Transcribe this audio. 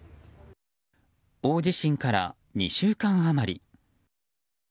大地震から２週間余り。